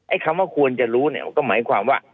คำว่าควรจะรู้เนี่ยก็หมายความว่า